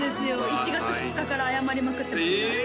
１月２日から謝りまくってましたええ